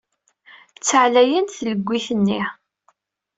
D taɛlayant tleggit-nni.